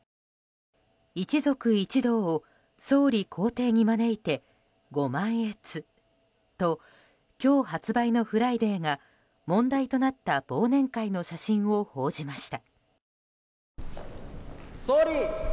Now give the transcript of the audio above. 一族一同を総理公邸に招いてご満悦と今日発売の「ＦＲＩＤＡＹ」が問題となった忘年会の写真を報じました。